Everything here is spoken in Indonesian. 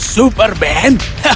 super band hahaha